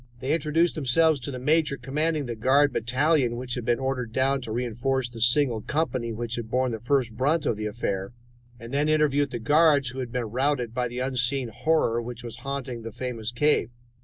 They introduced themselves to the major commanding the guard battalion which had been ordered down to reinforce the single company which had borne the first brunt of the affair, and then interviewed the guards who had been routed by the unseen horror which was haunting the famous cave.